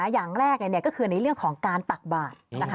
อย่างแรกก็คือในเรื่องของการตักบาท